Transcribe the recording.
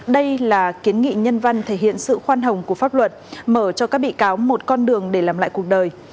đây là kiến nghị nhân văn thể hiện sự khoan hồng của pháp luật mở cho các bị cáo một con đường để làm lại cuộc đời